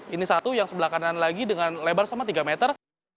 ini satu yang sebelah kanan lagi dengan lebar sama tiga meter